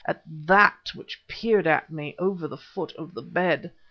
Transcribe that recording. at that which peered at me over the foot of the bed.